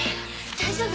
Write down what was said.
大丈夫？